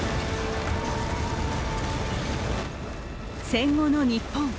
戦後の日本。